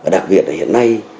đặc biệt là hiện nay